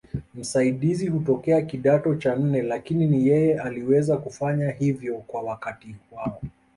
Msaidizi hutokea kidato cha nne Lakini ni yeye aliweza kufanya hivyo kwa wakati wao